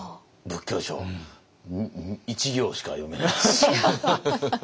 仏教書１行しか読めないです。